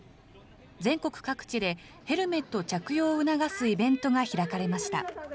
全国各地でヘルメット着用を促すイベントが開かれました。